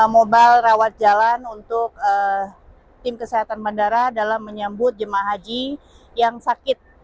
mobile rawat jalan untuk tim kesehatan bandara dalam menyambut jemaah haji yang sakit